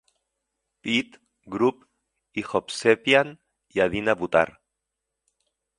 Pit, Grube i Hovsepian i Adina Butar.